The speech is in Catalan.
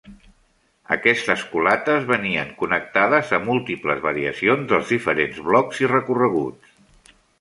Aquestes culates venien connectades a múltiples variacions dels diferents blocs i recorreguts.